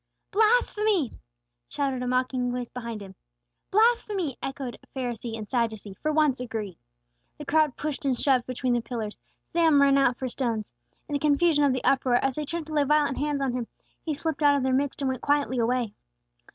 "Blasphemy!" shouted a mocking voice behind Him. "Blasphemy!" echoed Pharisee and Sadducee for once agreed. The crowds pushed and shoved between the pillars; some ran out for stones. In the confusion of the uproar, as they turned to lay violent hands on Him, He slipped out of their midst, and went quietly away.